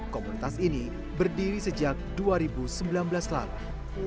komunitas ini berdiri sejak dua ribu sembilan belas lalu